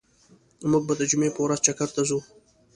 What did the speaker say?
موږ به د جمعی په ورځ چکر ته ځو